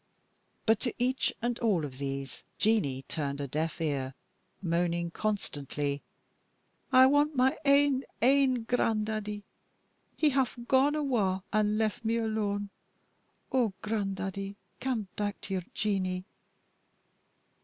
But to each and all of these Jeanie turned a deaf ear, moaning constantly: "I want my ain, ain gran'daddie; he hae gaun awa', an' left me alane. Oh, gran'daddie, cam back to your Jeanie!"